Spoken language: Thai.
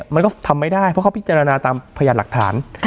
มันก็ทำไม่ได้เพราะเขาพิจารณาตามพยานหลักฐาน